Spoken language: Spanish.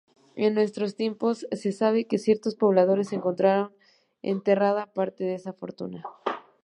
En nuestros tiempos se sabe que ciertos pobladores encontraron enterrada parte de esa fortuna.